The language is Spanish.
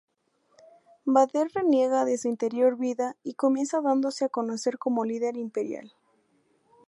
Vader reniega de su anterior vida y comienza dándose a conocer como líder imperial.